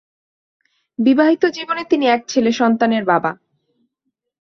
বিবাহিত জীবনে তিনি এক ছেলে সন্তানের বাবা।